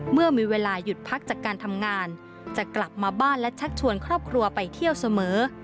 เมื่อมีเวลาหยุดพักจากการทำงานจะกลับมาบ้านและชักชวนครอบครัวไปเที่ยวเสมอ